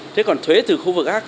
thế còn thuế từ khu vực khác